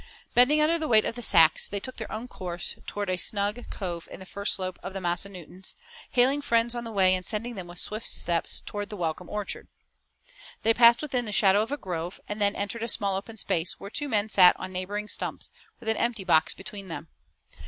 Bending under the weight of the sacks, they took their course toward a snug cove in the first slope of the Massanuttons, hailing friends on the way and sending them with swift steps toward the welcome orchard. They passed within the shadow of a grove, and then entered a small open space, where two men sat on neighboring stumps, with an empty box between them.